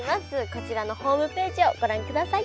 こちらのホームページをご覧ください。